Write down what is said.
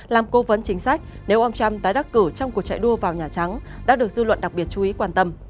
làm cố vấn chính sách nếu ông trump tái đắc cử trong cuộc chạy đua vào nhà trắng đã được dư luận đặc biệt chú ý quan tâm